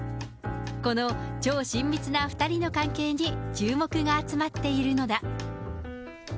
この超親密な２人の関係に注目が集まっているのだ。